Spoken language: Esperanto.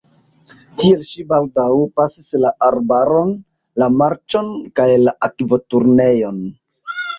Tiel ŝi baldaŭ pasis la arbaron, la marĉon kaj la akvoturnejon.